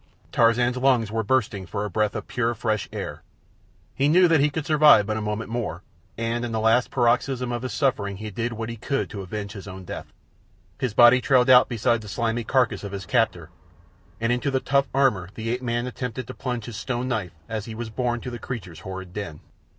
Tarzan's lungs were bursting for a breath of pure fresh air. He knew that he could survive but a moment more, and in the last paroxysm of his suffering he did what he could to avenge his own death. His body trailed out beside the slimy carcass of his captor, and into the tough armour the ape man attempted to plunge his stone knife as he was borne to the creature's horrid den.